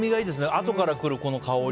あとから来るこの香り。